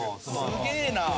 すげえな。